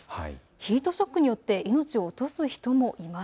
ヒートショックによって命を落とす人もいます。